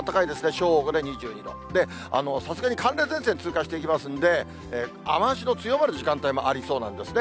正午で２２度、さすがに寒冷前線通過していきますんで、雨足の強まる時間帯もありそうなんですね。